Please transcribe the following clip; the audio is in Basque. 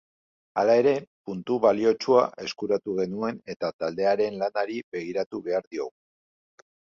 Hala ere, puntu baliotsua eskuratu genuen eta taldearen lanari begiratu behar diogu.